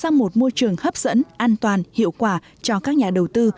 tạo ra một môi trường hấp dẫn an toàn hiệu quả cho các nhà đầu tư